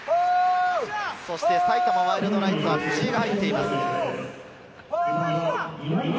埼玉ワイルドナイツは藤井が入っています。